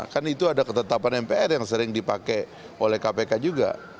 kan itu ada ketetapan mpr yang sering dipakai oleh kpk juga